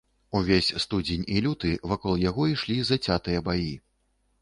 Увесь студзень і люты вакол яго ішлі зацятыя баі.